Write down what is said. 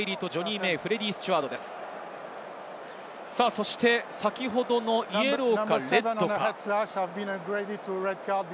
そして先ほどのイエローか？